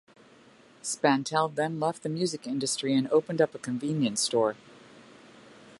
Spantell then left the music industry and opened up a convenience store.